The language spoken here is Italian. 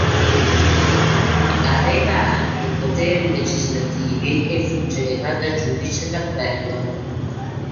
Aveva anche poteri legislativi e fungeva da giudice d'appello.